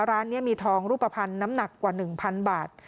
ร้านนี้มีทองรูปภัณฑ์น้ำหนักกว่า๑๐๐บาท